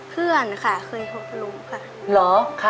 เพื่อนค่ะเคยหกลุกค่ะ